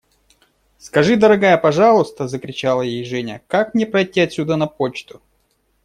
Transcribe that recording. Скажи, дорогая, пожалуйста, – закричала ей Женя, – как мне пройти отсюда на почту?